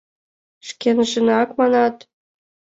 — Шкенжынак, манат?!